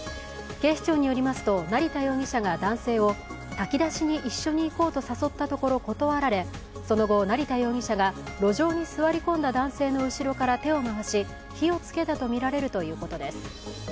警視庁によりますと、成田容疑者が男性を炊き出しに一緒に行こうと誘ったところ断られ、その後、成田容疑者が路上に座り込んだ男性の後ろから手を回し火をつけたとみられるということです。